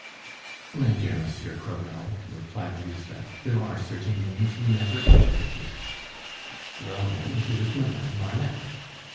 "My dear Monsieur Crevel," replied Lisbeth, "there are certain names we never utter here " "Well, then, it is Madame Marneffe."